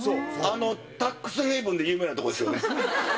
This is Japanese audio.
タックスヘイブンで有名な所ですよね。